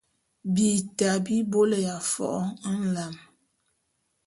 Bita bi bôlé ya fo’o nlam.